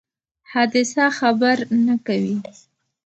حادثه خبر نه کوي.